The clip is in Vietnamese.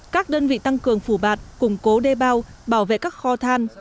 các đơn vị tăng cường phủ bạt củng cố đê bao bảo vệ các kho than